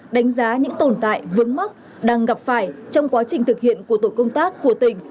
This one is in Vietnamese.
đánh giá những tồn tại vướng mắc đang gặp phải trong quá trình thực hiện của tổ công tác của tỉnh